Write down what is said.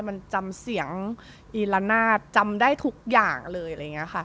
มันจำเสียงอีละนาดจำได้ทุกอย่างเลยอะไรอย่างนี้ค่ะ